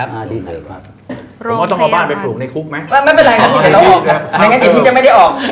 ข้าวดีกินอะไรทุกอย่างไม่ต้องเปลี่ยน